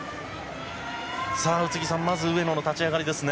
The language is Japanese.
さあ、宇津木さん、まず上野の立ち上がりですね。